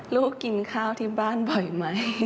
ลูกกินข้าวที่บ้านบ่อยไหม